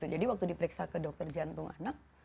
jadi waktu diperiksa ke dokter jantung anak